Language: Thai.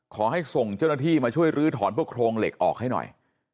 ขอให้ส่งเจ้าหน้าที่มาช่วยลื้อถอนพวกโครงเหล็กออกให้หน่อย